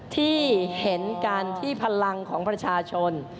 ที่เห็นการที่พลังของประชาชน